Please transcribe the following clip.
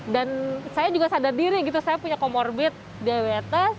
dan saya juga sadar diri gitu saya punya comorbid diabetes